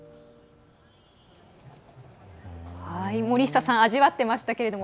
森下さん味わってましたが。